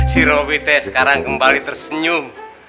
si robby teh sekarang kembali tersenyum